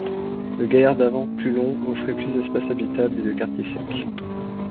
Le gaillard d'avant plus long offrait plus d’espace habitable et de quartiers secs.